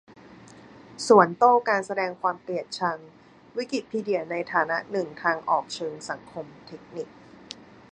สวนโต้การแสดงความเกลียดชัง : วิกิพีเดียในฐานะหนึ่งทางออกเชิงสังคม-เทคนิค ?